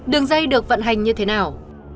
đường dây được vận hành như thế nào